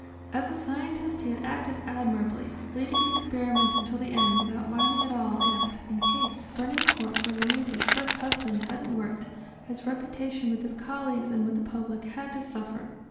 As a scientist he had acted admirably, leading the experiment until the end without minding at all if (in case burning the corpse of Luisa' s first husband hadn't worked) his reputation with his colleagues and with the public had to suffer.